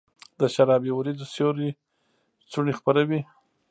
د شرابې اوریځو سیوري څوڼي خپروي